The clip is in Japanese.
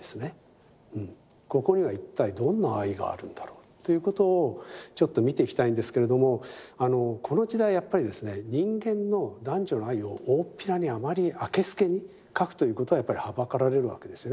ここには一体どんな愛があるんだろうということをちょっと見ていきたいんですけれどもこの時代やっぱりですね人間の男女の愛を大っぴらにあまりあけすけに描くということはやっぱりはばかられるわけですよね。